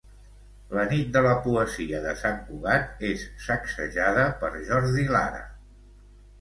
La Nit de la Poesia de Sant Cugat és sacsejada per Jordi Lara.